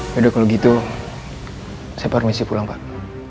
yaudah kalau gitu saya permisi pulang pak